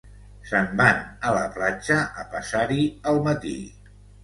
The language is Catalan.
Se'n van a la platja a passar-hi el matí.